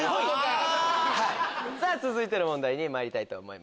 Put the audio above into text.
さぁ続いての問題にまいりたいと思います。